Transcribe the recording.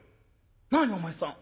「何お前さん。